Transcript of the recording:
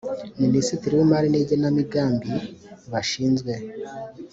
minisitiri w imari n igenamigambi bashinzwe